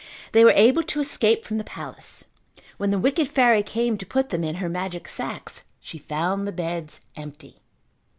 They were able to escape from the palace. When the wicked fairy came to put them in her magic sacks she found the beds empty.